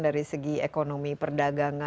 dari segi ekonomi perdagangan